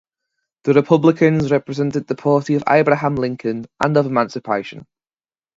The Republicans represented the party of Abraham Lincoln and of emancipation.